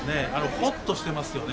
ほっとしてますよね。